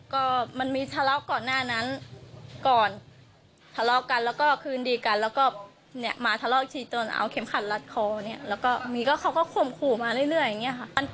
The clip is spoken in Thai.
ก็มันมีทะเลาะก่อนหน้านั้นก่อนทะเลาะกันแล้วก็คืนดีกันแล้วก็เนี่ยมาทะเลาะอีกทีจนเอาเข็มขัดรัดคอเนี่ยแล้วก็มีก็เขาก็ข่มขู่มาเรื่อยอย่างนี้ค่ะ